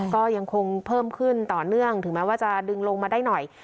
ก็ยังคงเพิ่มขึ้นต่อเนื่องถึงแม้ว่าจะดึงลงมาได้หน่อย